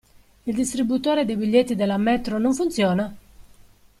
Il distributore dei biglietti della metro non funziona?